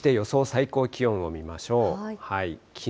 最高気温を見ましょう。